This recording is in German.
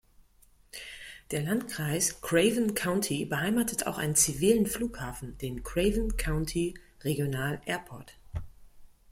Der Landkreis Craven County beheimatet auch einen zivilen Flughafen, den Craven County Regional Airport.